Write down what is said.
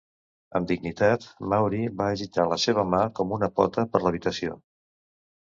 Amb dignitat, Maury va agitar la seva mà com una pota per l'habitació.